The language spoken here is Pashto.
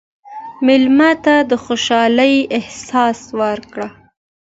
مېلمه ته د خوشحالۍ احساس ورکړه.